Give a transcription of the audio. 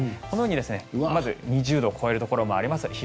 このように２０度を超えるところもあります。